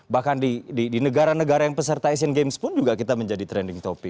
bahkan di negara negara yang peserta asian games pun juga kita menjadi trending topic